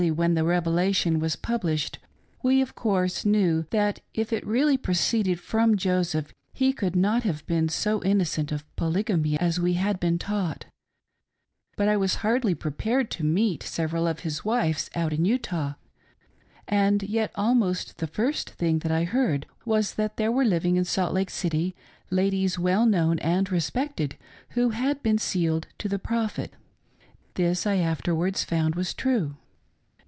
Directly' the Revelation was published, we, ,of course, knew that if it really proceeded from Joseph he could not have been so innocent of Polygamy as we had been taught ; but I was hardly prepared to meet several of his wives out in Utah ; and yet almost the first thing that I heard was that there were living in Salt Lake City, ladies well known and respected, who had been sealed to the Prophet. This I after wards found was true.